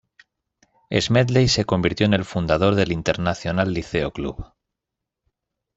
Smedley se convirtió en el fundadora del "Internacional Liceo Club".